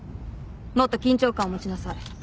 もっと緊張感を持ちなさい。